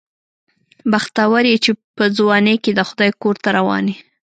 بختور یې چې په ځوانۍ کې د خدای کور ته روان یې.